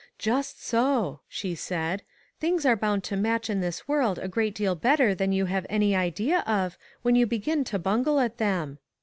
" Just so,'' she said ;" things are bound to match in this world a great deal better than you have any idea of, when you begin to bungle at them.